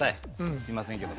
すいませんけども。